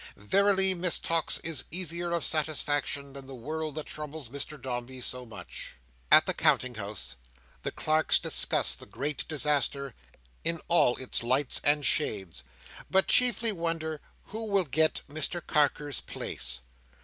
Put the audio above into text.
Verily Miss Tox is easier of satisfaction than the world that troubles Mr Dombey so much! At the Counting House, the clerks discuss the great disaster in all its lights and shades, but chiefly wonder who will get Mr Carker's place.